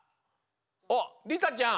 おっりたちゃん！